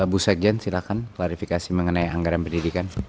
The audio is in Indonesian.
bu sekjen silahkan klarifikasi mengenai anggaran pendidikan